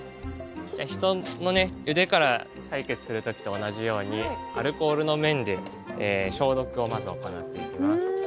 人の腕から採血する時と同じようにアルコールの綿で消毒をまず行っていきます。